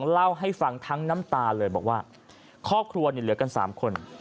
เล่าให้ฟังทั้งน้ำตาเลยบอกว่าครอบครัวเหลือกัน๓คน